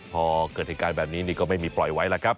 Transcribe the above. พอเกิดเหตุการณ์แบบนี้นี่ก็ไม่มีปล่อยไว้แล้วครับ